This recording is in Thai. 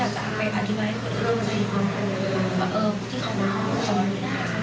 ก็จะเป็นเหตุผลที่จะเป็นผลของนางสาว